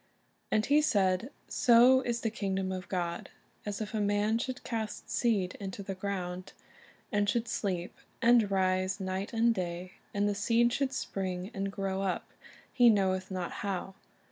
"And He said, So is the kingdom of God, as if a man should cast seed into the ground; and should sleep, and rise night and day, and the seed should spring and grow up, he knoweth not how.